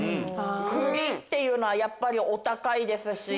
栗っていうのはやっぱりお高いですし。